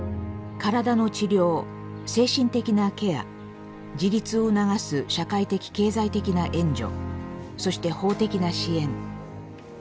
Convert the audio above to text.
体の治療精神的なケア自立を促す社会的経済的な援助そして法的な支援。